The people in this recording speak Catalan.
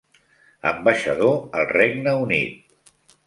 Ambaixador al Regne Unit.